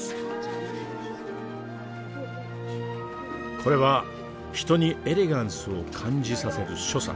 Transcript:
これは人にエレガンスを感じさせる所作。